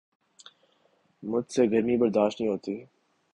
مجھ سے گرمی برداشت نہیں ہوتی